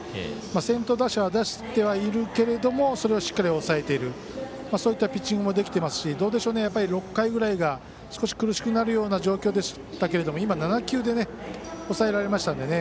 先頭打者、出してはいるけれどもそれをしっかり抑えているそういったピッチングもできてますし、６回ぐらいが少し苦しくなるような状況でしたけれども今、７球で抑えられましたのでね。